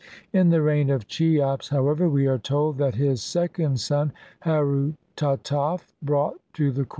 In the reign of Cheops, however, we are told 2 that his second son Herutataf brought to the court a man sesh.